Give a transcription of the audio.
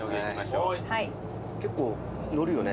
結構乗るよね。